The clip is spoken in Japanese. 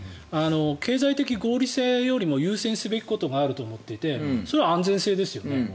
経済的合理性より優先するべきことがあると思っていてそれは安全性ですよね。